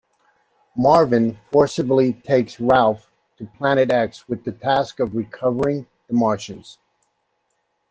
Marvin forcibly takes Ralph to Planet X with the task of recovering the Martians.